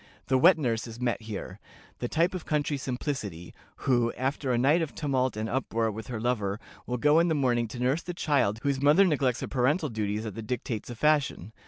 The wet nurse is met here, "the type of country simplicity," who, after a night of tumult and uproar with her lover, will go in the morning to nurse the child whose mother neglects her parental duties at the dictates of fashion.